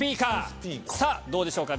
さぁどうでしょうか？